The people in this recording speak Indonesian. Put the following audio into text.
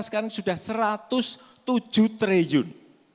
sekarang sudah satu ratus tujuh triliun